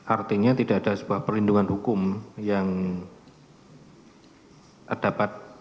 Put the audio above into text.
artinya tidak ada sebuah perlindungan hukum yang dapat